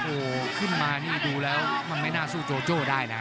โอ้โหขึ้นมานี่ดูแล้วมันไม่น่าสู้โจโจ้ได้นะ